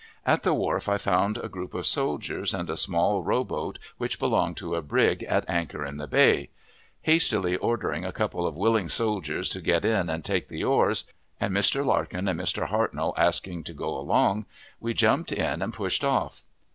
At the wharf I found a group of soldiers and a small row boat, which belonged to a brig at anchor in the bay. Hastily ordering a couple of willing soldiers to get in and take the oars, and Mr. Larkin and Mr. Hartnell asking to go along, we jumped in and pushed off.